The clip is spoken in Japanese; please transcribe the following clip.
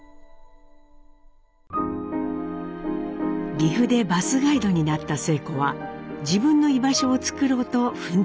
岐阜でバスガイドになった晴子は自分の居場所を作ろうと奮闘します。